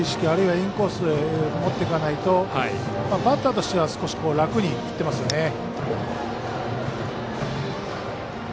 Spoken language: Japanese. あるいはインコースへ持っていかないとバッターとしては少し楽に振ってますよね。